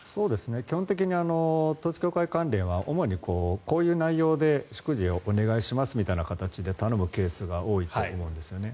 基本的に統一教会関連は主に、こういう内容で祝辞をお願いしますみたいな形で頼むケースが多いと思うんですよね。